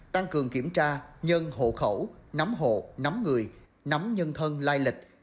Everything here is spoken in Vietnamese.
tăng cường kiểm tra nhân hộ khẩu nắm hộ nắm người nắm nhân thân lai lịch